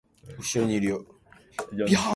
後ろにいるよ